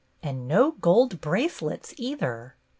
And no gold bracelets either!